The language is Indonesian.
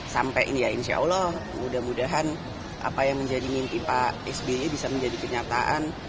sampai insya allah mudah mudahan apa yang menjadi mimpi pak sbi bisa menjadi kenyataan